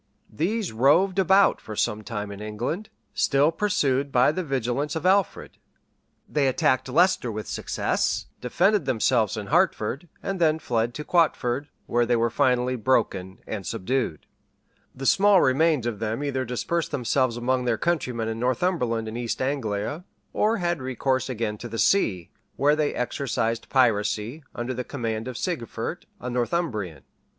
Sax p. 96.] These roved about for some time in England, still pursued by the vigilance of Alfred; they attacked Leicester with success, defended themselves in Hartford, and then fled to Quatford, where they were finally broken and subdued. The small remains of them either dispersed themselves among their countrymen in Northumberland and East Anglia,[*] or had recourse again to the sea, where they exercised piracy, under the command of Sigefert, a Northumbrian. [* Chron. Sax.